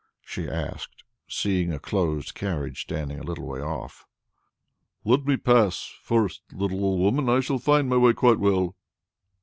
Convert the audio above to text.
she asked, seeing a closed carriage standing a little way off. "Let me pass first, little old woman; I shall find my way quite well."